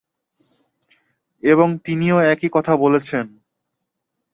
এবং তিনিও একই কথা বলেছেন।